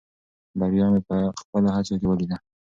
بریا مې په خپلو هڅو کې ولیده.